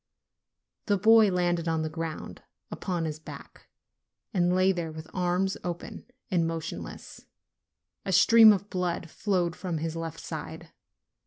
The boy landed on the ground, upon his back, and lay there with arms open and motionless; a stream of blood flowed from his left side.